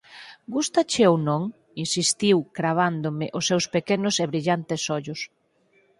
Gústache ou non? −insistiu, cravándome os seus pequenos e brillantes ollos.